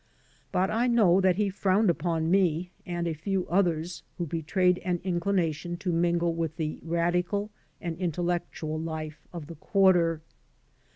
But I know that he frowned upon me and a few others who betrayed an inclination to mingle with the radical and intellectual life of the quarter.